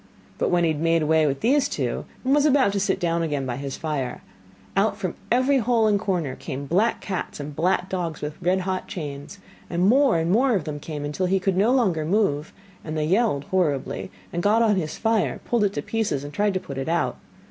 But when he had made away with these two, and was about to sit down again by his fire, out from every hole and corner came black cats and black dogs with red hot chains, and more and more of them came until he could no longer move, and they yelled horribly, and got on his fire, pulled it to pieces, and tried to put it out.